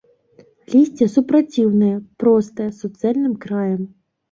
Лісце супраціўнае, простае, з суцэльным краем.